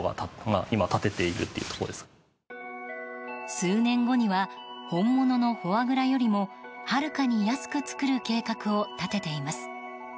数年後には本物のフォアグラよりもはるかに安く作る計画を立てています。